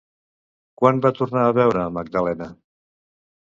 Quan va tornar a veure a Magdalena?